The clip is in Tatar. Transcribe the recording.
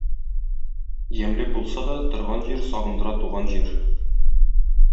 Ямьле булса да торган җир, сагындыра туган җир.